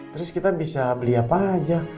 terus kita bisa beli apa aja